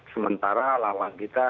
sementara lalang kita